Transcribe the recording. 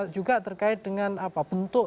juga terkait dengan bentuk